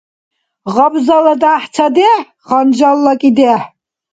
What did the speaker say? Гъабзала дяхӀ — цадехӀ, ханжалла — кӀидехӀ.